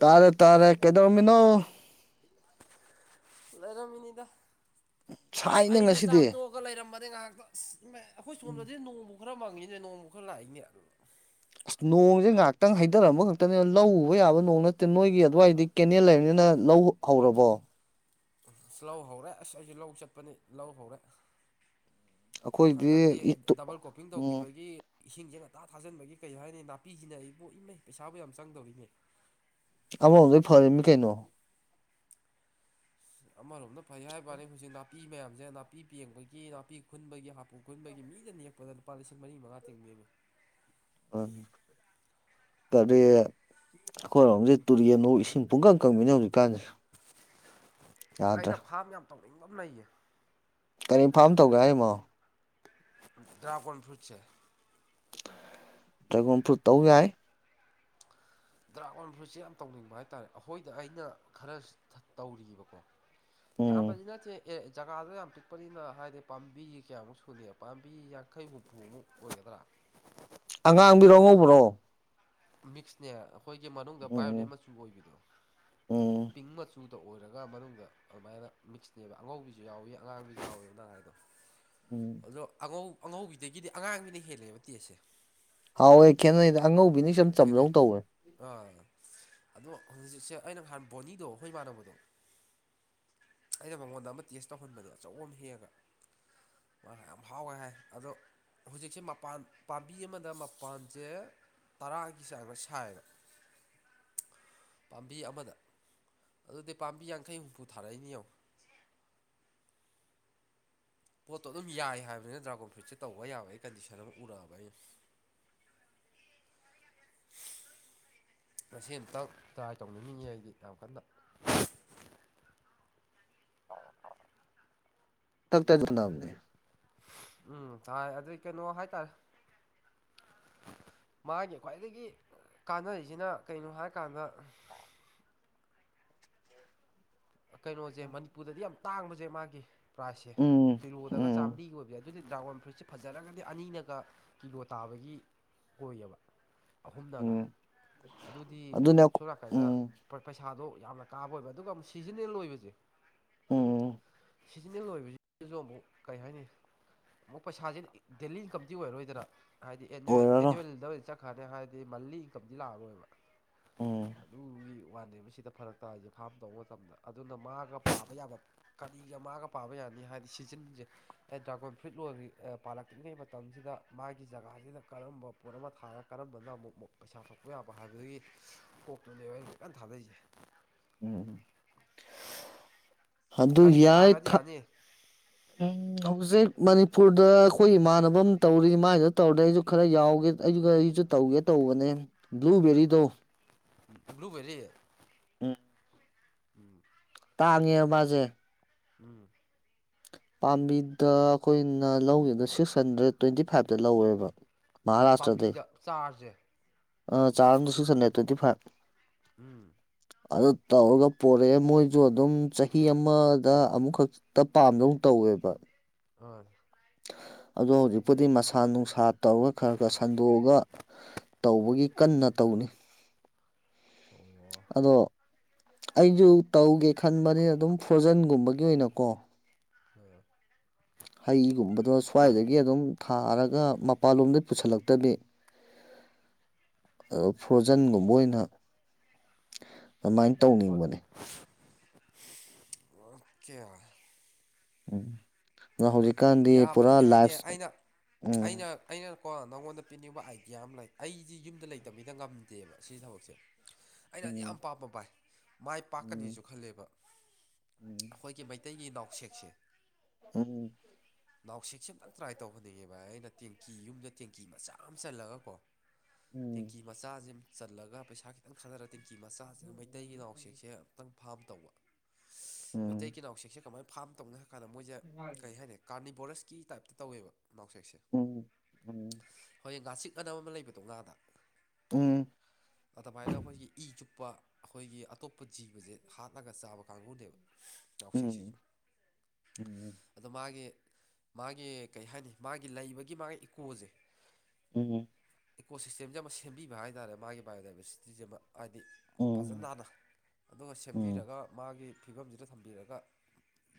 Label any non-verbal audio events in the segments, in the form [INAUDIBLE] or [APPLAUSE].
ꯇꯔꯦ ꯇꯥꯔꯦ ꯀꯩꯗꯧꯔꯝꯃꯤꯅꯣ ꯂꯩꯔꯝꯃꯤꯅꯤꯗ ꯑꯁ ꯁꯥꯏꯅꯦ ꯑꯩꯁꯨ ꯉꯁꯤꯗꯤ ꯆꯥꯛꯇꯣꯛꯑꯒ ꯂꯩꯔꯝꯕꯅꯦ ꯉꯥꯏꯍꯥꯛꯇꯪ ꯑꯩꯈꯣꯏ ꯁꯣꯟꯕꯗꯤ ꯅꯣꯡ ꯈꯔ ꯃꯪꯉꯤꯅꯦ ꯅꯣꯡ ꯈꯔ ꯂꯥꯛꯏꯅꯦ ꯑꯁ ꯅꯣꯡꯁꯦ ꯉꯥꯏꯍꯥꯛꯇꯪ ꯍꯩꯊꯔꯝꯕ ꯈꯛꯇꯅꯦ ꯂꯧ ꯎꯕ ꯌꯥꯕ ꯅꯣꯡ ꯅꯠꯇꯦ ꯅꯣꯏꯒꯤ ꯑꯗꯨꯋꯥꯏꯗꯤ ꯀꯦꯅꯦꯜ ꯂꯩꯕꯅꯤꯅ ꯂꯧ ꯍꯧꯔꯕꯣ ꯂꯧ ꯍꯧꯔꯦ ꯑꯁ ꯑꯩꯁꯨ ꯂꯧ ꯆꯠꯄꯅꯤ ꯂꯧ ꯍꯧꯔꯦ ꯑꯩꯈꯣꯏꯗꯤ ꯍꯟꯗꯛꯇꯤ ꯏꯠꯇꯨ ꯗꯕꯜ ꯀꯣꯞꯄꯤꯡ ꯎꯝ ꯇꯧꯈꯤꯕꯒꯤ ꯏꯁꯤꯡꯁꯦ ꯉꯟꯇꯥ ꯊꯥꯖꯤꯟꯕꯒꯤ ꯀꯔꯤ ꯍꯥꯏꯅꯤ ꯅꯥꯄꯤꯁꯤꯅ ꯑꯩꯕꯣꯛ ꯏꯃꯩ ꯄꯩꯁꯥꯕꯨ ꯌꯥꯝ ꯆꯪꯗꯧꯔꯤꯅꯦ ꯑꯃ ꯔꯣꯝꯗꯗꯤ ꯐꯔꯅꯤ ꯀꯩꯅꯣ ꯑꯃꯔꯣꯝꯗ ꯐꯩ ꯍꯥꯏꯕꯅꯤ ꯍꯧꯖꯤꯛ ꯅꯥꯄꯤ ꯃꯌꯥꯝꯁꯦ ꯅꯥꯄꯤ ꯄꯦꯡꯕꯒꯤ ꯅꯥꯄꯤ ꯈꯨꯟꯕꯒꯤ ꯍꯥꯄꯨ ꯈꯨꯟꯕꯒꯤ ꯃꯤꯗ ꯅꯦꯛꯄꯗ ꯂꯨꯄꯥ ꯂꯤꯁꯤꯡ ꯃꯔꯤ ꯃꯉꯥ ꯇꯤꯡꯕꯤꯕ ꯍꯣꯏ ꯇꯔꯦ ꯑꯩꯈꯣꯏꯔꯣꯝꯁꯦ ꯇꯨꯨꯔꯔꯤꯅꯋꯣ ꯏꯁꯤꯡ ꯄꯨꯡꯀꯪꯀꯪꯃꯤꯅꯦ ꯍꯧꯖꯤꯛꯀꯥꯟꯁꯦ ꯌꯥꯗ꯭ꯔꯦ ꯑꯩꯅ ꯐꯥꯝ ꯌꯥꯝ ꯇꯧꯅꯤꯡꯕ ꯑꯃ ꯂꯩꯌꯦ ꯀꯔꯤ ꯐꯥꯝ ꯇꯧꯒꯦ ꯍꯥꯏꯔꯤꯃꯣ ꯗ꯭ꯔꯥꯒꯣꯟ ꯐ꯭ꯔꯨꯠꯁꯦ ꯗ꯭ꯔꯥꯏꯒꯣꯟ ꯐꯨꯠ ꯇꯧ ꯌꯥꯏ ꯗ꯭ꯔꯥꯒꯣꯟ ꯐ꯭ꯔꯨꯠꯁꯦ ꯌꯥꯝ ꯇꯧꯅꯤꯡꯕ ꯍꯥꯏꯇꯥꯔꯦ ꯑꯩꯈꯣꯏꯗ ꯑꯩꯅ ꯈꯔ ꯇꯧꯔꯤꯕꯀꯣ ꯌꯥ ꯎꯝ ꯅꯤꯅꯠꯇꯦ ꯑꯦ ꯖꯒꯥꯗꯣ ꯌꯥꯝ ꯄꯤꯛꯄꯅꯤꯅ ꯍꯥꯏꯗꯤ ꯄꯥꯝꯕꯤ ꯀꯌꯥꯃꯨꯛ ꯁꯨꯅꯤ ꯄꯥꯝꯕꯤ ꯌꯥꯡꯈꯩ ꯍꯨꯝꯐꯨꯃꯨꯛ ꯑꯣꯏꯒꯗ꯭ꯔꯥ ꯑꯉꯥꯡꯕꯤꯔꯣ ꯉꯧꯕ꯭ꯔꯣ ꯃꯤꯛꯁꯅꯦ ꯑꯩꯈꯣꯏꯒꯤ ꯃꯅꯨꯡꯗ ꯎꯝ ꯎꯝ ꯚꯥꯏꯌꯣꯂꯦꯠ ꯃꯆꯨ ꯑꯣꯏꯕꯗꯣ ꯎꯝ ꯄꯤꯡ ꯃꯆꯨ ꯇ ꯑꯣꯏꯔꯒ ꯃꯅꯨꯡꯗ ꯑꯗꯨꯃꯥꯏꯅ ꯃꯤꯛꯁꯅꯦꯕ ꯑꯉꯧꯕꯤꯁꯨ ꯌꯥꯎꯋꯤ ꯑꯉꯥꯡꯕꯤꯁꯨ ꯌꯥꯎꯋꯦꯕ ꯅ ꯍꯥꯏꯗꯣ ꯎꯝ ꯑꯗꯣ ꯑꯉꯧ ꯑꯉꯧꯕꯤꯗꯒꯤꯗꯤ ꯑꯉꯥꯡꯒꯤꯅ ꯍꯦꯜꯂꯦꯕ ꯇꯦꯁꯦ ꯍꯥꯎꯋꯦ ꯈꯦꯠꯅꯩꯗ ꯑꯉꯧꯕꯤꯅꯤ ꯁꯝ ꯆꯝꯅꯧ ꯈꯦꯠꯅꯩ ꯇꯧꯋꯦ ꯑꯥ ꯑꯗꯣ ꯍꯧꯖꯤꯛ ꯍꯧꯖꯤꯛꯁꯦ ꯑꯩꯅ ꯅꯍꯥꯟ ꯕꯣꯅꯤꯗꯣ ꯑꯩꯣꯏꯃꯥꯟꯅꯕꯗꯣ ꯑꯩꯅ ꯃꯉꯣꯟꯗ ꯑꯃ ꯇꯦꯁ ꯇꯧꯍꯟꯕꯅꯦ ꯑꯆꯧꯕ ꯑꯃ ꯍꯦꯛꯒ ꯃꯥ ꯌꯥꯝ ꯍꯥꯎꯋꯦ ꯍꯥꯏ ꯑꯗꯣ ꯍꯧꯖꯤꯛꯁꯦ ꯃꯄꯥꯟ ꯄꯥꯝꯕꯤ ꯑꯃꯗ ꯃꯄꯥꯟꯁꯦ ꯇꯔꯥꯒꯤ ꯆꯥꯡ ꯈ ꯁꯥꯏꯌꯦꯕ ꯑ [UNINTELLIGIBLE] [INAUDIBLE] ꯄꯥꯝꯕꯤ ꯑꯃꯗ ꯑꯗꯨꯗꯤ ꯄꯥꯝꯕꯤ ꯌꯥꯡꯈꯩ ꯍꯨꯝꯐꯨ ꯊꯥꯔꯛꯏꯅꯦ ꯌꯦꯡꯉꯣ ꯄꯣꯠꯇꯣ ꯑꯗꯨꯝ ꯌꯥꯏ ꯍꯥꯏꯕꯅꯤꯅ ꯗ꯭ꯔꯥꯒꯣꯟ ꯐ꯭ꯔꯨꯏꯠꯁꯦ ꯇꯧꯕ ꯌꯥꯕ ꯑꯩ ꯀꯟꯗꯤꯁꯟ ꯑꯃ ꯎꯔꯛꯑꯕ ꯑꯩꯅ ꯑ [INAUDIBLE] [UNINTELLIGIBLE] ꯉꯁꯤ ꯑꯃꯨꯇꯪ ꯇ꯭ꯔꯥꯏ ꯇꯧꯅꯤꯡꯅꯤꯡꯉꯤ ꯑꯩꯗꯤ ꯌꯥꯝ ꯀꯟꯅ ꯑ [INAUDIBLE] [UNINTELLIGIBLE] ꯊꯛꯇꯥ ꯆ ꯑꯃꯅꯤ [UNINTELLIGIBLE] ꯎꯝ ꯆꯥꯏ ꯑꯗꯨꯏ ꯀꯩꯅꯣ ꯍꯥꯏꯇꯥꯔꯦ [INAUDIBLE] ꯃꯥꯒꯤ ꯈ꯭ꯋꯥꯏꯗꯒꯤ ꯀꯥꯟꯅꯔꯤꯁꯤꯅ ꯀꯔꯤꯅꯣ ꯍꯥꯏꯔꯀꯥꯟꯗ ꯀꯩꯅꯣꯁꯦ ꯃꯅꯤꯄꯨꯔꯗꯗꯤ ꯌꯥꯝ ꯇꯥꯡꯕꯁꯦ ꯃꯥꯒꯤ ꯄ꯭ꯔꯥꯏꯁꯁꯦ ꯎꯝ ꯀꯤꯔꯣꯗꯒ ꯎꯝ ꯆꯥꯝꯃꯔꯤꯒꯤ ꯑꯣꯏꯕꯁ ꯑꯗꯨꯗꯤ ꯗ꯭ꯔꯥꯒꯣꯟ ꯐ꯭ꯔꯨꯏꯠꯁꯦ ꯐꯖꯔꯒꯗꯤ ꯑꯅꯤꯅꯒ ꯀꯤꯂꯣ ꯇꯥꯕꯒꯤ ꯑꯣꯏꯌꯦꯕ ꯑꯍꯨꯝꯂꯒ ꯎꯝ ꯑꯗꯨꯗꯤ ꯑꯗꯨꯅꯦ ꯑꯩꯈꯣ- ꯁꯣꯝ ꯅꯛꯀꯥꯟꯗ ꯎꯝ ꯄꯩꯁꯥꯗꯣ ꯌꯥꯝꯅ ꯀꯥꯕ ꯑꯣꯏꯕ ꯑꯗꯨꯒ ꯑꯃꯨꯛ ꯁꯤꯖꯟꯅꯜ ꯑꯣꯏꯕꯁꯦ ꯎꯝ ꯁꯤꯖꯤꯟꯅꯜ ꯑꯣꯏꯕꯁꯤꯗꯁꯨ ꯑꯃꯨꯛ ꯀꯔꯤ ꯍꯥꯏꯅꯤ ꯑꯃꯨꯛ ꯄꯩꯁꯥꯁꯤ ꯗꯦꯜꯂꯤ ꯏꯟꯀꯝꯗꯤ ꯑꯣꯏꯔꯔꯣꯏꯗꯅ ꯍꯥꯏꯗꯤ ꯑꯦꯅꯨꯋꯦꯜ ꯑꯣꯏꯔꯔꯣꯏ ꯑꯦꯅꯨꯋꯦꯜꯗꯗꯤ ꯆꯠꯈ꯭ꯔꯅꯤ ꯍꯥꯏꯔꯗꯤ ꯃꯟꯂꯤ ꯏꯟꯀꯝꯗꯤ ꯂꯥꯛꯑꯔꯣꯏꯕ ꯎꯝ ꯑꯗꯨꯒꯤ ꯋꯥꯅꯦ ꯁꯤꯗ ꯐꯔꯛ ꯇꯥꯁꯦ ꯐꯥꯝ ꯇꯧꯕ ꯃꯇꯝꯗ ꯑꯗꯨꯅ ꯃꯥꯒ ꯄꯥꯕ ꯌꯥꯕ ꯀꯔꯤꯒ ꯃꯥꯒ ꯄꯥꯕ ꯌꯥꯅꯤ ꯍꯥꯏꯗꯤ ꯁꯤꯖꯤꯟꯁꯦ ꯗ ꯀꯝꯐ꯭ꯂꯤꯠ ꯂ ꯄꯥꯜꯂꯛꯇ꯭ꯔꯤꯉꯩ ꯃꯇꯝꯁꯤꯗ ꯃꯥꯒꯤ ꯖꯒꯥꯁꯤꯗ ꯀꯔꯝꯕ ꯄꯣꯠ ꯑꯃ ꯊꯥꯔꯒ ꯀꯔꯝꯕꯅ ꯑꯃꯨꯛ ꯄꯩꯁꯥ ꯀꯛꯄ ꯌꯥꯕ ꯍꯥꯏꯕꯗꯒꯤ ꯀꯣꯛꯇꯨꯅꯦꯕ ꯑ ꯀꯟꯅ ꯊꯥꯗꯩꯁꯦ ꯎꯝ ꯑꯗꯨ ꯀꯔꯤ ꯌꯥꯏ ꯊꯥꯒꯗꯤ ꯌꯥꯅꯤ ꯍꯧꯖꯤꯛ ꯃꯅꯤꯄꯨꯔꯗ ꯑꯩꯈꯣꯏ ꯏꯃꯥꯟꯅꯕ ꯑꯃ ꯇꯧꯔꯤ ꯃꯥꯏꯁꯤꯗ ꯇꯧꯔꯗ ꯑꯩꯁꯨ ꯈꯔ ꯌꯥꯎꯒꯦ ꯑꯩ ꯑꯩꯁꯨ ꯇꯧꯒꯦ ꯇꯧꯦ ꯕꯂꯨ ꯕꯦꯔꯦ ꯇꯣ ꯕ꯭ꯂꯨꯕꯦꯜꯂꯤ ꯎꯝ ꯇꯥꯉꯦ ꯃꯥꯖꯦ ꯎꯝ ꯄꯥꯝꯕꯤꯗ ꯑꯩꯈꯣꯏꯅ ꯂꯧꯒꯤꯕ ꯁꯤꯛꯁ ꯍꯟꯗ꯭ꯔꯦꯠ ꯇ꯭ꯋꯦꯟꯇꯤ ꯐꯥꯏꯚꯇ ꯂꯧꯋꯦꯕ ꯃꯍꯥꯔꯥꯁꯇ꯭ꯔꯗꯩ ꯄꯥꯝꯕꯤꯗ ꯆꯥꯔꯁꯦ ꯑ ꯆꯥꯔ ꯑꯃꯗ ꯁꯤꯁ ꯍꯨꯟꯗꯔ꯭ꯦꯗ ꯇꯤꯟꯠꯌ ꯐꯥ ꯎꯝ ꯑꯗꯨ ꯇꯧꯔꯒ ꯄꯣꯔꯛꯑꯦ ꯃꯣꯏꯁꯨ ꯑꯗꯨꯝ ꯆꯍꯤ ꯑꯃꯗ ꯑꯃꯨꯛꯈꯛꯇ ꯄꯥꯝꯗꯧ ꯇꯧ ꯑꯣꯏꯦꯕ ꯑ ꯑ [UNINTELLIGIBLE] ꯑꯗꯣ ꯍꯧꯖꯤꯛꯄꯨꯗꯤ ꯃꯁꯥ ꯅꯨꯡꯁꯥ ꯇꯧꯔꯒ ꯈꯔ ꯈꯔ ꯁꯟꯗꯣꯛꯑꯒ ꯇꯧꯕꯒꯤ ꯀꯟꯅ ꯇꯧ ꯍ [UNINTELLIGIBLE] ꯑꯗꯣ ꯑꯩꯁꯨ ꯇꯧꯒꯦ ꯈꯟꯕꯅꯤꯅ ꯑꯗꯨꯝ ꯐ꯭ꯔꯣꯖꯟꯒꯨꯝꯕꯒꯤ ꯑꯣꯏꯅꯀꯣ ꯍꯥꯏꯒꯨꯝꯕꯗꯁꯨ ꯈꯋꯥꯏꯗꯒꯤ ꯑꯗꯨꯝ ꯊꯥꯔꯒ ꯃꯄꯜꯂꯣꯝꯗꯩ ꯄꯨꯁꯤꯜꯂꯛꯇꯕꯤ ꯑ ꯐ꯭ꯔꯣꯖꯟꯒꯨꯝꯕ ꯑꯣꯏꯅ ꯑꯗꯨꯃꯥꯏꯅ ꯍꯣꯏ ꯇꯧꯅꯤꯡꯕꯅꯤ ꯑꯣ ꯀꯦ ꯎꯝ ꯑꯗ ꯍꯧꯖꯤꯛꯀꯥꯟꯗꯤ ꯄꯨꯔꯥ ꯌꯥꯕꯗꯤ ꯌꯥꯏꯒꯦ ꯂꯥꯏꯐ ꯎꯝ ꯀꯣ ꯅꯪꯉꯣꯟꯗ ꯄꯤꯅꯤꯡꯕ ꯑꯥꯏꯗꯤꯌꯥ ꯑꯃ ꯂꯩ ꯑꯩꯗꯤ ꯌꯨꯝꯗ ꯂꯩꯇꯕꯕꯤꯗ ꯉꯝꯗꯦꯕ ꯁꯤ ꯊꯕꯛꯁꯦ ꯑꯩꯅ ꯌꯥꯝ ꯎꯝ ꯄꯥꯝꯕ ꯄꯥꯏ ꯃꯥꯏ ꯎꯝ ꯄꯥꯛꯀꯅꯦꯁꯨ ꯈꯜꯂꯦꯕ ꯑꯩꯈꯣꯏꯒꯤ ꯃꯩꯇꯩꯒꯤ ꯂꯎꯁꯦꯛꯁꯦ ꯎꯝ ꯅꯥꯎꯁꯤꯦꯛꯁ ꯑꯃꯇꯪ ꯇ꯭ꯔꯥꯏ ꯇꯧꯕꯅꯤꯉꯕ ꯑꯩꯅ ꯇꯦꯡꯀꯤ ꯌꯨꯝꯗ ꯇꯦꯡꯀꯤ ꯃꯆꯥ ꯑꯃ ꯆꯜꯂꯒ ꯀꯣ ꯎꯝ ꯇꯦꯡꯀꯤ ꯃꯆꯥꯁꯤꯦ ꯆꯠꯂꯒ ꯄꯩꯁꯥ ꯈꯤꯇꯪ ꯊꯥꯗꯔꯛꯦ ꯇꯦꯡꯀꯤ ꯃꯆꯥꯁꯤꯅ ꯃꯩꯇꯩꯒꯤ ꯅꯥꯎꯁꯦꯛꯁꯦ ꯑꯃꯝꯛꯇꯪ ꯐꯥꯝ ꯇꯧꯕ ꯎꯝ ꯃꯩꯇꯩꯒꯤ ꯅꯥꯎꯁꯦꯛꯁꯦ ꯀꯃꯥꯏꯅ ꯐꯥꯝ ꯇꯧꯅ ꯍꯥꯏꯔ ꯀꯥꯟꯗ ꯃꯣꯏꯁꯦ ꯀꯩ ꯍꯥꯏꯅꯤ ꯀꯥꯔꯅꯤꯕꯣꯔꯁꯀꯤ ꯇꯥꯏꯞꯇ ꯇꯧꯋꯦꯕ ꯃꯥꯎꯁꯦꯛꯁꯦ ꯎꯝ ꯎꯝ ꯍꯣꯏꯡ ꯉꯥꯆꯤꯛ ꯑꯅꯝ ꯑꯃ ꯂꯩꯕꯗꯣ ꯉꯥꯗ ꯎꯝ ꯑꯗ ꯐꯥꯏꯗ ꯑꯩꯈꯣꯏꯒꯤ ꯏ ꯑꯇꯣꯞꯄ ꯑꯩꯈꯣꯏꯒꯤ ꯑꯇꯣꯞꯄ ꯖꯤꯕꯁꯦ ꯍꯥꯠꯂꯒ ꯆꯥꯕ ꯀꯥꯡꯕꯨꯅꯦꯕ ꯌꯥꯁꯦꯛꯁꯤꯁꯨ ꯎꯝ ꯎꯝ ꯑꯗꯣ ꯃꯥꯒꯤ ꯃꯥꯒꯤ ꯀꯩ ꯍꯥꯏꯅꯤ ꯃꯥꯒꯤ ꯂꯩꯕꯒꯤ ꯃꯥꯒꯤ ꯏꯀꯣꯁꯦ ꯎꯝ ꯏꯀꯣ ꯁꯤꯁꯇꯦꯝꯁꯦ ꯑꯃ ꯁꯦꯝꯕꯤꯕ ꯍꯥꯏꯇꯥꯥꯔꯦ ꯃꯥꯒꯤ ꯕꯥꯏꯑꯣꯗꯥꯏꯕꯔꯁꯤꯇꯤꯁꯦ ꯑꯃ ꯍꯥꯏꯗꯤ ꯎꯝ ꯐꯖꯅ ꯥꯟꯅ ꯑꯗꯨꯒ ꯎꯝ ꯎꯝ ꯁꯦꯝꯕꯤꯔꯒ ꯃꯥꯒꯤ ꯐꯤꯕꯝꯁꯤꯗ ꯊꯝꯕꯤꯔꯒ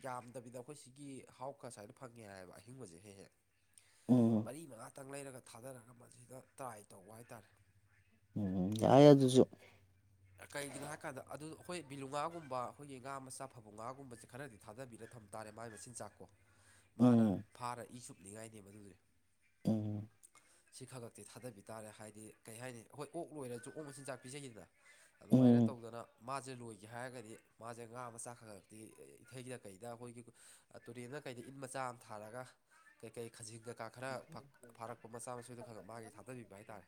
ꯌꯥꯝꯗꯕꯤꯗ ꯑꯩꯈꯣꯏ ꯁꯤꯒꯤ ꯍꯥꯎ ꯈ ꯁ ꯍꯥꯏ ꯐꯪꯉꯦ ꯍꯥꯏꯌꯦꯕ ꯑꯍꯤꯡꯕꯁꯦ ꯍꯦꯛ ꯍꯦꯛ ꯎꯝ ꯃꯔꯤ ꯃꯉꯥ ꯈꯤꯇꯪ ꯂꯩꯔꯒ ꯊꯥꯗꯔꯒ ꯃꯁꯤꯗ ꯇ꯭ꯔꯥꯏ ꯇꯧꯕ ꯍꯥꯏꯇꯥꯔꯦ ꯎꯝ ꯌꯥꯏ ꯑꯗꯨꯁꯨ ꯍꯣꯏ ꯕꯤꯂꯨ ꯉꯥꯒꯨꯝꯕ ꯑꯩꯈꯣꯏꯒꯤ ꯉꯥ ꯃꯆꯥ ꯐꯕꯨꯡ ꯉꯥꯒꯨꯝꯕꯁꯦ ꯈꯔꯗꯤ ꯊꯥꯗꯕꯤꯔ ꯊꯝ ꯇꯥꯔꯦ ꯃꯥꯒꯤ ꯃꯆꯤꯟꯖꯥꯛꯀꯣ ꯃꯥꯅ ꯎꯝ ꯐꯥꯔ ꯏ ꯁꯨꯞꯅꯤꯡꯉꯥꯏꯅꯦ ꯃꯗꯨꯗꯤ ꯑꯝ ꯁꯤ ꯈ ꯈꯛꯇꯤ ꯊꯥꯗꯕꯤ ꯇꯥꯔꯦ ꯍꯥꯏꯗꯤ ꯀꯩ ꯍꯥꯏꯅꯤ ꯑꯩꯣꯏ ꯑꯣꯛ ꯂꯣꯏꯔꯁꯨ ꯑꯣꯛ ꯃꯆꯤꯟꯖꯥꯛ ꯄꯤꯖꯩꯁꯤꯗꯅ ꯑꯗꯨꯃꯥꯏꯅ ꯎꯝ ꯇꯧꯗꯅ ꯃꯥꯁꯦ ꯂꯣꯏꯒꯦ ꯍꯥꯏꯔꯒꯗꯤ ꯃꯥꯁꯦ ꯉꯥ ꯑꯃ ꯆꯥꯛꯈꯂꯛꯇꯦ ꯏꯊꯩꯗ ꯀꯩꯗ ꯑꯩꯈꯣꯏꯒꯤ ꯇꯨꯔꯦꯟꯗ ꯈ ꯀꯩꯗ ꯏꯟ ꯃꯆꯥ ꯑꯃ ꯊꯥꯔꯒ ꯀꯩꯀꯩ ꯈꯖꯤꯡ ꯀꯩꯀꯥ ꯈꯔ ꯐꯥꯔꯛꯄ ꯃꯆꯥ ꯃꯁꯨꯗꯣ ꯈꯪꯉ ꯃꯥꯒꯤ ꯊꯥꯗꯕꯤꯕ ꯍꯥꯏꯇꯥꯔꯦ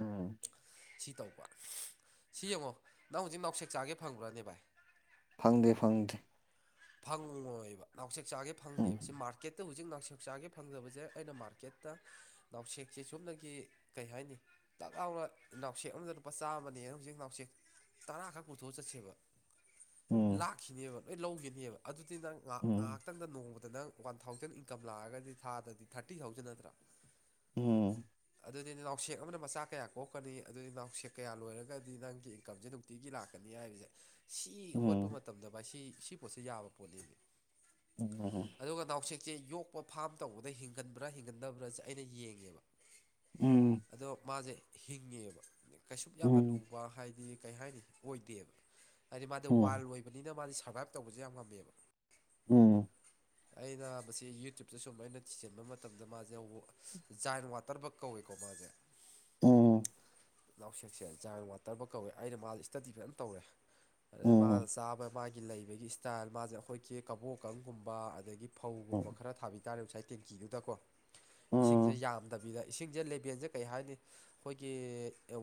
ꯎꯝ ꯁꯤ ꯇꯧ ꯁꯤ ꯌꯦꯡꯉꯣ ꯅꯪ ꯍꯧꯖꯤꯛ ꯅꯥꯎꯁꯦꯛ ꯆꯥꯒꯦ ꯐꯪꯕ꯭ꯔꯅꯦ ꯚꯥꯏ ꯐꯪꯗꯦ ꯐꯪꯗꯦ ꯐꯪꯉꯣꯏꯕ ꯅꯥꯎꯆꯦꯛ ꯆꯥꯒꯦ ꯐꯪꯗꯦꯕ ꯁꯤ ꯎꯝ ꯃꯥꯔꯀꯦꯠ ꯑ ꯍꯧꯖꯤꯛ ꯅꯥꯎꯁꯦꯛ ꯆꯥꯒꯦ ꯐꯪꯗꯕꯁꯦ ꯑꯩꯅ ꯃꯥꯔꯀꯦꯠꯇ ꯅꯥꯎꯁꯦꯛꯁꯦ ꯁꯨꯞꯅꯒꯤ ꯀꯩ ꯍꯥꯏꯅꯤ ꯥꯛ ꯂꯥꯎꯅ ꯅꯥꯎꯁꯦꯛ ꯑꯃꯗ ꯂꯨꯄꯥ ꯆꯥꯝꯃ ꯍꯧꯖꯤꯛ ꯅꯥꯎꯆꯦꯛ ꯇꯔꯥ ꯈꯛ ꯄꯨꯊꯣꯛꯑ ꯆꯠꯁꯦꯕ ꯎꯝ ꯂꯥꯛꯈꯤꯅꯦꯕ ꯂꯣꯏ ꯂꯧꯈꯤꯅꯦꯕ ꯑꯗꯨꯗꯤ ꯅ ꯉꯍ ꯎꯝ ꯉꯥꯏꯍꯥꯛꯇꯪꯗ ꯅꯣꯡ ꯑꯗ ꯅꯪ ꯋꯥꯟ ꯊꯥꯎꯖꯟ ꯏꯟꯀꯝ ꯂꯥꯛꯑꯒꯗꯤ ꯊꯗ꯭ꯔꯗꯤ ꯊꯥꯔꯇꯤ ꯊꯥꯎꯖꯟ ꯅꯠꯇ꯭ꯔꯥ ꯍꯝ ꯑꯗꯨꯗꯤ ꯅꯥꯎꯁꯦꯛ ꯑꯃꯅ ꯃꯆꯥ ꯀꯌꯥ ꯀꯣꯛꯀꯅꯤ ꯑꯗꯨꯗꯤ ꯅꯥꯎꯁꯦꯛ ꯀꯌꯥ ꯂꯣꯏꯔꯒ ꯒꯗꯤ ꯅꯪꯒꯤ ꯏꯟꯀꯝꯁꯦ ꯅꯨꯡꯇꯤꯒꯤ ꯂꯥꯛꯀꯅꯤ ꯍꯥꯏꯕꯁꯦ ꯁꯤ ꯍꯣꯠꯄ ꯎꯝ ꯃꯇꯝꯗ ꯚ ꯁꯤ ꯁꯤ ꯄꯣꯠꯁꯦ ꯌꯥꯕ ꯄꯣꯠꯅꯦ ꯎꯝ ꯆꯦ ꯌꯣꯛꯄ ꯐꯥꯝ ꯇꯧꯕꯗ ꯍꯤꯡꯒꯟꯕ꯭ꯔꯥ ꯍꯤꯡꯒꯟꯗꯕ꯭ꯔꯥꯁꯦ ꯑꯩꯅ ꯌꯦꯡꯉꯦꯕ ꯎꯝ ꯑꯗꯣ ꯃꯥꯁꯦ ꯍꯤꯡꯉꯦꯕ ꯀꯩꯁꯨ ꯌꯥꯝꯅ ꯂꯨ ꯎꯝ ꯑ ꯍꯥꯏꯗꯤ ꯀꯩ ꯍꯥꯏꯅꯤ ꯑꯣꯏꯗꯦ ꯍꯥꯏꯗꯤ ꯃꯥꯗꯤ ꯎꯝ ꯋꯥꯏꯜ ꯑꯣꯏꯕꯅꯤꯅ ꯃꯥꯗꯤ ꯁꯔꯕꯥꯏꯞ ꯇꯧꯕꯁꯦ ꯌꯥꯝ ꯉꯝꯃꯦꯕ ꯎꯝ ꯑꯩꯅ ꯃꯁꯤ ꯌꯨꯇ꯭ꯌꯨꯞꯇ ꯁꯨꯝ ꯑꯩꯅ ꯊꯤꯖꯤꯟꯕ ꯃꯇꯝꯗ ꯃꯥꯁꯦ ꯖꯥꯏꯟ ꯋꯥꯇꯔ ꯕꯛ ꯀꯧꯋꯦꯕꯥ ꯎꯝ ꯅꯥꯎꯁꯠꯁꯦ ꯖꯥꯏꯟ ꯋꯥꯇꯔꯕ ꯀꯧꯋꯦ ꯑꯩꯅ ꯃꯥꯁ ꯏꯁꯇꯗꯤ ꯐꯖꯅ ꯇꯧꯔꯦ ꯑꯗꯩ ꯎꯝ ꯎꯝ ꯎꯝ ꯎꯝ ꯎꯝ ꯎꯝ ꯎꯝ ꯃꯥꯅ ꯎꯝ ꯆꯥꯕ ꯃꯥꯒꯤ ꯂꯩꯕꯒꯤ ꯏꯁꯇꯥꯏꯜ ꯃꯥꯁꯦ ꯑꯩꯈꯣꯏꯒꯤ ꯀꯕꯣꯛꯀꯪꯒꯨꯝꯕ ꯑꯗꯒꯤ ꯐꯧꯒꯨꯝꯕ ꯈꯔ ꯊꯥꯕꯤ ꯇꯥꯔꯦ ꯉꯁꯥꯏ ꯇꯦꯡꯀꯤꯗꯨꯗꯀꯣ ꯎꯝ ꯏꯁꯤꯡꯁꯦ ꯌꯥꯝꯗꯕꯤꯗ ꯏꯁꯤꯡꯁꯦ ꯂꯦꯕꯦꯜꯁꯦ ꯀꯩ ꯍꯥꯏꯅꯤ ꯑꯩꯈꯣꯏꯒꯤ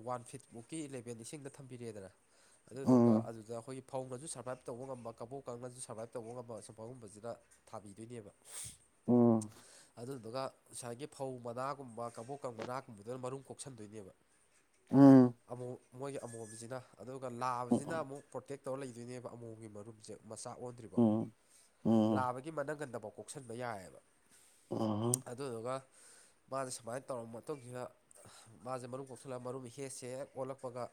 ꯋꯥꯟ ꯐꯤꯠ ꯃꯨꯛꯀꯤ ꯕꯦꯟ ꯏꯁꯤꯡꯗ ꯊꯝꯕꯤꯔꯦꯗꯅ ꯑꯗꯨꯗꯨꯒ ꯑꯗꯨꯗ ꯑꯩꯈꯣꯏꯒꯤ ꯐꯧꯅꯁꯨ ꯁꯔꯕꯥꯏꯞ ꯇꯧꯕ ꯉꯝꯕ ꯀꯕꯣꯛ ꯀꯥꯡꯅꯁꯨ ꯁꯔꯕꯥꯏꯞ ꯇꯧꯕ ꯉꯝꯕ ꯁꯨꯝ ꯐꯒꯨꯝꯕꯁꯤꯅ ꯊꯥꯕꯤꯗꯣꯏꯅꯦꯕ ꯑꯗꯨꯗꯨꯒ ꯉꯁꯥꯏꯒꯤ ꯐꯧ ꯃꯅꯥꯒꯨꯝꯕ ꯀꯥꯡꯕꯣꯛꯀ ꯃꯅꯥꯒꯨꯝꯕꯗꯨꯅ ꯃꯔꯨꯝ ꯀꯣꯛꯁꯟꯗꯣꯏꯅꯦꯕ ꯃꯣꯏꯒꯤ ꯑꯃꯣꯕꯁꯤꯅ ꯑꯗꯨꯒ ꯂꯥꯕꯁꯤꯅ ꯑꯃꯨꯛ ꯄ꯭ꯔꯣꯇꯦꯛ ꯇꯧꯔ ꯂꯩꯗꯣꯏꯅꯦꯕ ꯑꯃꯣꯝꯒꯤ ꯃꯔꯨꯝꯁꯦ ꯃꯆꯥ ꯑꯣꯟꯗ꯭ꯔꯤꯕ ꯂꯥꯕꯒꯤ ꯃꯅꯒꯟꯗ ꯀꯣꯛꯁꯟꯕ ꯌꯥꯏꯑꯕ ꯑꯗꯨꯗꯨꯒ ꯃꯥꯁꯦ ꯁꯨꯃꯥꯏꯅ ꯇꯧꯔꯕꯔꯕ ꯃꯇꯨꯡꯁꯤꯗ ꯃꯥꯁꯦ ꯃꯔꯨꯝ ꯀꯣꯛꯊꯜꯂꯒ ꯃꯔꯨꯝ ꯍꯦꯛꯠꯁꯦ ꯍꯦꯛ ꯑꯣꯜꯂꯛꯄ ꯀꯞꯄꯒ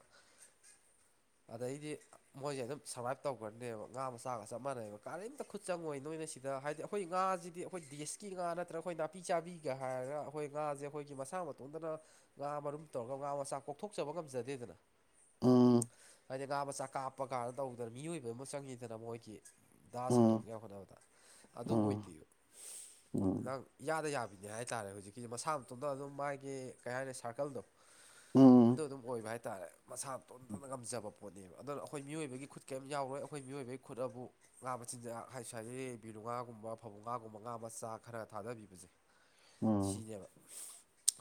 [INAUDIBLE] [INAUDIBLE] ꯑꯗꯩꯗꯤ ꯃꯣꯏꯁꯦ ꯑꯗꯨꯝ ꯁꯔꯕꯥꯏꯞ ꯇꯧꯈ꯭ꯔꯅꯦꯕ ꯉꯥ ꯃꯆꯥꯒ ꯆꯞ ꯃꯥꯟꯅꯩꯕ ꯀꯔꯤꯝꯇ ꯈꯨꯠ ꯆꯪꯉꯣꯏ ꯅꯣꯏꯅ ꯁꯤ ꯗ ꯍꯥꯏꯗꯤ ꯑꯩꯈꯣꯏ ꯉꯥꯁꯤꯗꯤ ꯑꯩꯈꯣꯏ ꯗꯦꯁꯀꯤ ꯉꯥ ꯅꯠꯇ꯭ꯔꯒ ꯑꯩꯈꯣꯏ ꯅꯥꯄꯤ ꯆꯥꯕꯤꯒ ꯍꯥꯏꯔꯒ ꯑꯩꯈꯣꯏ ꯉꯥꯁꯦ ꯑꯩꯈꯣꯏꯒꯤ ꯃꯁꯥ ꯃꯇꯗꯅ ꯉꯥ ꯃꯔꯨꯝ ꯇꯧꯔꯒ ꯉꯥ ꯃꯆꯥ ꯀꯣꯛꯊꯣꯛꯆꯕ ꯉꯝꯖꯅꯤ ꯑꯗꯨꯗꯗꯅ ꯍꯥꯏꯗꯤ ꯉꯥ ꯃꯆꯥ ꯀꯥꯞꯄ ꯀꯥꯟꯅ ꯇꯧꯗꯅ ꯃꯤꯑꯣꯏꯕ ꯑꯃ ꯆꯪꯉꯤꯗꯅ ꯃꯣꯏꯒꯤ ꯗꯥ ꯎꯝ ꯁꯟꯠꯇꯣꯛꯅꯕ ꯍꯣꯠꯅꯕꯗ ꯑꯗꯨ ꯑꯣꯏꯗꯦꯕ ꯎꯝ ꯅꯪ ꯌꯥꯗ ꯌꯥꯕ ꯀꯩꯍꯥꯏꯇꯥꯥꯔꯦ ꯍꯧꯖꯤꯛꯀꯤꯁ ꯃꯁꯥ ꯃꯇꯣꯝꯇ ꯑꯗꯨꯝ ꯃꯥꯒꯤ ꯀꯩ ꯍꯥꯏꯅꯤ ꯁꯥꯔꯀꯜꯗꯣ ꯑꯗꯨ ꯑꯗꯨꯝ ꯑꯣꯏꯕ ꯍꯥꯏ ꯃꯁꯥ ꯇꯣꯟꯇꯅ ꯉꯝꯖꯕ ꯄꯣꯠꯅꯦꯕ ꯑꯗꯨꯅ ꯑꯩꯈꯣꯏ ꯃꯤꯑꯣꯏꯕꯒꯤ ꯈꯨꯠ ꯀꯔꯤꯝ ꯌꯥꯎꯔꯣꯏ ꯑꯩꯈꯣꯏ ꯃꯤꯑꯣꯏꯕꯒꯤ ꯈꯨꯠ ꯑꯕꯨ ꯉꯥ ꯃꯆꯤꯟꯖꯥꯛ ꯍꯥꯏꯁ ꯍꯥꯏꯗꯤ ꯕꯤꯔꯨꯉꯥꯒꯨꯝꯕ ꯐꯕꯨꯡꯉꯥꯒꯨꯝꯕ ꯉꯥ ꯃꯆꯥ ꯈꯔ ꯊꯥꯗꯕꯤꯕꯁꯦ ꯎꯝ ꯁꯤꯅꯦꯕ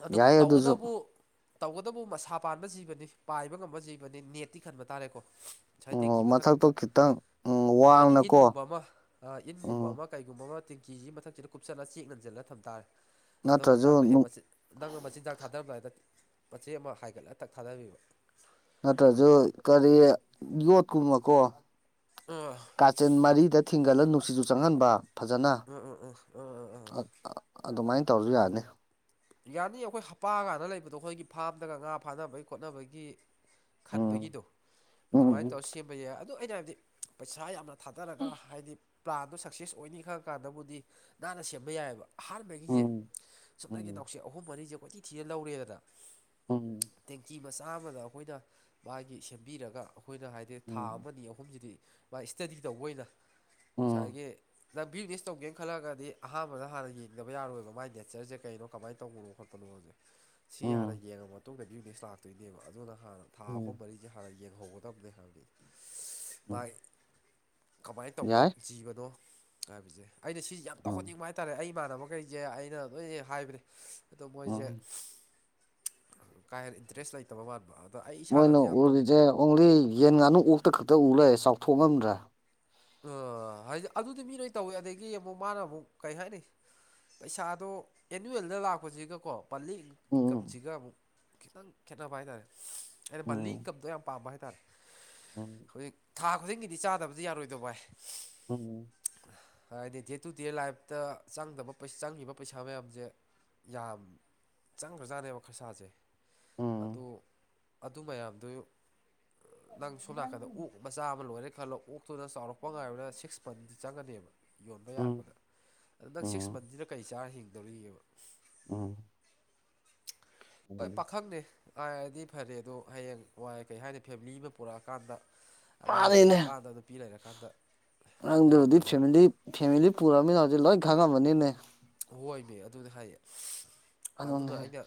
ꯑꯗꯨ ꯌꯥꯏ ꯑꯗꯨꯁꯨ ꯇꯧꯕꯥꯇꯕꯨ ꯇꯧꯒꯇꯕꯨ ꯃꯁꯥ ꯄꯥꯟꯕ ꯖꯤꯕꯅꯤ ꯄꯥꯏꯕ ꯉꯝꯕ ꯖꯤꯕꯅꯤ ꯅꯦꯠꯇꯤ ꯈꯟꯕ ꯇꯥꯔꯦꯀꯣ ꯉꯁꯥꯏ ꯑꯣ ꯇꯦꯡꯀꯤ ꯃꯊꯥꯛ ꯃꯊꯛꯇꯨꯗ ꯊꯣꯈꯤꯇꯑꯡ ꯍꯥꯏꯗꯤ ꯏꯟꯒꯨꯝꯕ ꯑꯃ ꯏꯟꯒꯨꯝꯕ ꯎꯝ ꯑꯃ ꯀꯩꯒꯨꯝꯕ ꯑꯃ ꯇꯦꯡꯀꯤꯁꯤ ꯃꯊꯛꯇꯗ ꯀꯨꯞꯁꯜꯂ ꯆꯦꯛ ꯅꯟꯟꯅꯂ ꯊꯝꯇꯥꯔꯦ ꯑꯗꯨꯒ ꯅꯠꯇ꯭ꯔꯁꯨ ꯅꯪꯅ ꯍꯦꯛ ꯃꯆꯤꯟ ꯅꯪꯅ ꯃꯆꯤꯟꯖꯥꯛ ꯊꯥꯗꯔꯝꯗꯥꯏꯗ ꯃꯆꯦ ꯑꯃ ꯍꯥꯏꯒꯠꯂꯒꯥ ꯊꯥꯗꯕꯤꯕ ꯅꯠꯇ꯭ꯔꯁꯨ ꯀꯔꯤ ꯌꯣꯠꯀꯨꯝꯕꯀꯣ ꯑꯥ ꯀꯥꯆꯦꯟ ꯃꯔꯤꯗ ꯊꯤꯡꯒꯠꯂꯒ ꯅꯨꯡꯁꯤꯖ ꯆꯪꯍꯟꯕ ꯐꯖꯅ ꯑꯥ ꯑꯥ ꯑꯥ ꯑꯥ ꯑꯥ ꯑꯥ ꯑꯗꯨꯃꯥꯏꯅ ꯇꯧꯔꯁꯨ ꯌꯥꯅꯤ꯫ ꯌꯥꯅꯤ ꯑꯩꯈꯣꯏ ꯍꯄꯥꯒꯥꯟꯗ ꯂꯩꯕꯗꯣ ꯑꯩꯈꯣꯏꯒꯤ ꯐꯥꯝꯗꯒ ꯉꯥ ꯐꯥꯅꯕꯒꯤ ꯈꯣꯠꯅꯕꯒꯤ ꯎꯝ ꯈꯟꯕꯒꯤꯗꯣ ꯑꯗꯨꯃꯥꯏꯅ ꯎꯝ ꯇꯧꯔ ꯁꯦꯝꯕ ꯌꯥꯏ ꯑꯗꯨꯗ ꯑꯩꯅ ꯍꯥꯏꯕꯗꯤ ꯄꯩꯁꯥ ꯌꯥꯝꯅ ꯊꯥꯗꯔꯒ ꯍꯥꯏꯗꯤ ꯄ꯭ꯂꯥꯟꯗꯣ ꯁꯛꯁꯦꯁ ꯑꯣꯏꯅꯤ ꯈꯪ ꯀꯥꯟꯗꯕꯨꯗꯤ ꯅꯥꯟꯅ ꯁꯦꯝꯕ ꯌꯥꯏꯑꯕ꯫ ꯑꯍꯥꯟꯕꯒꯤꯁꯦ ꯎꯝ ꯁꯨꯞꯅꯒꯤ ꯎꯝ ꯅꯥꯎꯁꯦ ꯑꯍꯨꯝ ꯃꯔꯤꯁꯦ ꯀꯣꯏꯊꯤ ꯊꯤꯅ ꯂꯧꯔꯦꯗꯅ ꯎꯝ ꯇꯦꯡꯀꯤ ꯃꯆꯥ ꯑꯃꯗ ꯑꯩꯈꯣꯏꯅ ꯃꯥꯒꯤ ꯁꯦꯝꯕꯤꯔꯒ ꯑꯩꯈꯣꯏꯅ ꯍꯥꯏꯗꯤ ꯊꯥ ꯎꯝ ꯑꯃ ꯑꯅꯤ ꯑꯍꯨꯝꯁꯤꯗꯤ ꯃꯥꯥꯏ ꯏꯁꯇꯗꯤ ꯇꯧꯕ ꯑꯣꯏꯅ ꯎꯝ ꯉꯁꯥꯏꯒꯤ ꯕꯤꯖꯤꯅꯦꯁ ꯇꯧꯒꯦꯅ ꯈꯜꯂꯛꯒꯗꯤ ꯑꯍꯥꯟꯕꯗ ꯍꯥꯟꯅ ꯌꯦꯡꯗꯕ ꯌꯥꯔꯣꯏꯕ ꯃꯒꯤ ꯅꯦꯆꯔꯁꯦ ꯀꯩꯅꯣ ꯀꯃꯥꯏꯅ ꯇꯧꯕꯅꯣ ꯈꯣꯠꯄꯅꯣꯁꯦ ꯁꯤ ꯍꯥꯟꯅ ꯎꯝ ꯌꯦꯡꯉ ꯃꯇꯨꯡꯗꯗꯤ ꯕꯤꯋꯤꯛꯅꯦꯁ ꯂꯥꯛꯇꯣꯏꯅꯦꯕ ꯑꯗꯨꯅ ꯍꯥꯟꯅ ꯊꯥ ꯑꯍꯨꯝ ꯎꯝ ꯃꯔꯤꯁꯦ ꯍꯥꯟꯅ ꯌꯦꯡꯍꯧꯒꯗꯕꯅꯦ ꯍꯥꯟꯗꯤ ꯎꯝ ꯥꯏ ꯀꯃꯥꯏꯅ ꯇꯧꯕ ꯌꯥꯏ ꯖꯤꯕꯅꯣ ꯍꯥꯏꯕꯁꯦ ꯑꯩꯅ ꯁꯤꯁꯦ ꯌꯥꯝ ꯎꯝ ꯇꯧꯍꯟꯅꯤꯡꯕ ꯍꯥꯏꯇꯥꯔꯦ ꯑꯩꯅ ꯏꯃ ꯑꯃ ꯀꯩꯁꯦ ꯑꯩꯅ ꯂꯣꯏ ꯍꯥꯏꯕ꯭ꯔꯦ ꯑꯗꯣ ꯃꯣꯏꯁꯦ ꯎꯝ ꯀꯥ ꯍꯦꯟꯅ ꯏꯟꯇꯔꯦꯁ ꯂꯩꯇꯕ ꯃꯥꯟꯕ ꯑꯗꯣ ꯑꯩ ꯃꯣꯏꯅ ꯏꯁꯥꯅꯗꯤ ꯌꯥꯝ ꯎꯔꯤꯁꯦ ꯇꯧꯅꯤꯡꯕ ꯑꯣꯡꯂꯤ ꯌꯦꯟ ꯉꯥꯅꯨ ꯑꯣꯛꯇ ꯈꯛꯇ ꯎ ꯂꯩꯦ ꯆꯥꯎꯊꯣꯛꯂꯝꯝꯗ꯭ꯔꯦ ꯑ ꯍꯥꯏꯗꯤ ꯑꯗꯨꯗꯤ ꯃꯤ ꯅꯣꯏ ꯇꯧꯋꯦ ꯑꯗꯒꯤ ꯑꯃꯨꯛ ꯃꯥꯅ ꯑꯃꯨꯛ ꯀꯩ ꯍꯥꯏꯅꯤ ꯄꯩꯁꯥꯗꯣ ꯑꯦꯅꯨꯋꯦꯜꯗ ꯂꯥꯛꯄꯁꯤꯒꯀꯣ ꯄꯂꯤ ꯎꯝ ꯏꯟꯀꯝꯁꯤꯒ ꯑꯃꯨꯛ ꯈꯤꯇꯪ ꯈꯦꯠꯅꯕ ꯍꯥꯏꯇꯥꯥꯔꯦ ꯑꯩꯅ ꯃꯟꯜꯂꯤ ꯎꯝ ꯏꯟꯀꯝꯗꯣ ꯌꯥꯝ ꯄꯥꯝꯕ ꯍꯥꯏꯇꯥꯔꯦ ꯍꯥꯏꯇꯥꯔꯦ ꯎꯝ ꯍꯧꯖꯤꯛ ꯊꯥ ꯈꯨꯗꯤꯡꯒꯤꯗꯤ ꯆꯥꯗꯕꯗꯤ ꯌꯥꯔꯣꯏꯗꯣ ꯚꯥꯏ ꯎꯝ ꯍꯥꯏꯗꯤ ꯗꯦ ꯇꯨ ꯗꯦ ꯂꯥꯏꯐꯇ ꯆꯪꯗꯕ ꯆꯪꯉꯤꯕ ꯄꯩꯁꯥ ꯃꯌꯥꯝꯁꯦ ꯌꯥꯝ ꯆꯪꯈ꯭ꯔꯖꯥꯠꯅꯦꯕ ꯈꯔꯁꯥꯁꯦ ꯑꯗꯨ ꯎꯝ ꯑꯗꯨ ꯃꯌꯥꯝꯗꯨ ꯅꯪ ꯁꯣꯝ ꯅꯥꯀꯟꯗ ꯑꯣꯛ ꯃꯆꯥ ꯑꯃ ꯂꯣꯏꯔꯦ ꯈꯜꯂꯣ ꯑꯣꯛꯇꯨꯅ ꯆꯥꯎꯔꯛꯄ ꯉꯥꯏꯕꯅ ꯁꯤꯛꯁ ꯃꯟ ꯆꯪꯒꯅꯦꯕ ꯌꯣꯟꯕ ꯎꯝ ꯌꯥꯔꯛꯄꯗ ꯑꯗ ꯅꯪ ꯁꯤꯛꯁ ꯎꯝ ꯃꯟꯁꯤꯅ ꯀꯔꯤ ꯆꯥꯔ ꯍꯤꯡꯗꯧꯔꯤꯒꯦꯕ ꯎꯝ ꯍꯣꯏ ꯎꯝ ꯄꯥꯈꯪꯅꯦ ꯉꯥꯏꯔꯗꯤ ꯐꯔꯦ ꯑꯗꯣ ꯍꯌꯦꯡ ꯋꯥꯏ ꯀꯩ ꯍꯥꯏꯅꯤ ꯐꯦꯃꯤꯂꯤ ꯑꯃ ꯄꯨꯔꯛꯑꯀꯥꯟꯗ ꯑꯉꯥꯡ ꯃꯥꯅꯤꯅꯦ ꯂꯩꯔꯛꯀꯥꯟꯗ ꯅꯨꯄꯤ ꯂꯩꯔꯀꯥꯟꯗ ꯅꯪꯗꯨꯕꯨꯗꯤ ꯌꯥꯗꯦ ꯍꯥꯏꯕ ꯐꯦꯃꯤꯂꯤ ꯐꯦꯃꯤꯂꯤ ꯄꯨꯔꯃꯤꯅ ꯍꯧꯖꯤꯛ ꯂꯣꯏ ꯈꯪꯉꯝꯃꯅꯤꯅꯦ ꯍꯣꯏ ꯏꯕ ꯑꯗꯨꯗꯤ ꯍꯥꯏꯌꯦ ꯑꯗꯨꯗ ꯑꯗꯨꯅꯦ ꯑꯩꯅ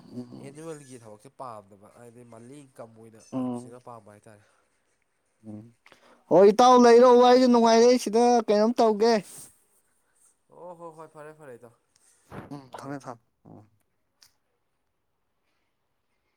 ꯎꯝ ꯑꯦꯅꯤꯨꯋꯦꯜꯒꯤ ꯊꯕꯛꯁꯦ ꯄꯥꯝꯗꯕ ꯍꯥꯏꯕꯗꯤ ꯃ ꯀꯝ ꯑꯣꯏꯅ ꯎꯝ ꯂꯥꯛꯞꯄꯁꯤꯅ ꯄꯥꯝꯕ ꯍꯥꯏꯇꯥꯔꯦ ꯎꯝ ꯍꯣꯏ ꯏꯇꯥꯎ ꯂꯩꯔꯣ ꯋꯥꯔꯤꯁꯨ ꯅꯨꯡꯉꯥꯏꯔꯦ ꯁꯤꯗ ꯀꯩꯅꯣꯝ ꯇꯧꯒꯦ ꯑꯣ ꯍꯣ ꯍꯣꯏ ꯐꯔꯦ ꯐꯔꯦꯗꯣ ꯎꯝ ꯊꯃꯦ ꯊꯝ